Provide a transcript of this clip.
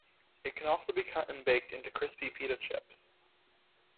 It can also be cut and baked into crispy pita chips.